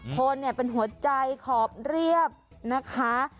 ขนเนี่ยเป็นหัวใจขอบเรียบนะคะ